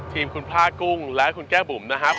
ทีมคุณพ่ากุ้งและคุณแก้บุ๋มนะครับ